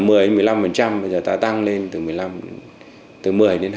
bây giờ ta tăng lên từ